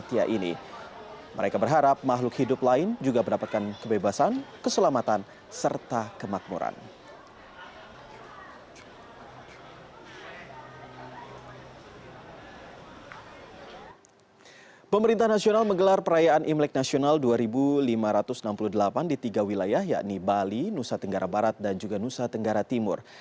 yakni bali nusa tenggara barat dan nusa tenggara timur